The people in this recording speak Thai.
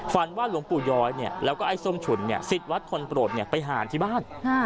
ว่าหลวงปู่ย้อยแล้วก็ไอ้ส้มฉุนสิทธิ์วัดคนโปรดไปหาที่บ้าน